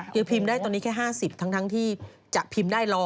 คือพิมพ์ได้ตอนนี้แค่๕๐ทั้งที่จะพิมพ์ได้๑๐๐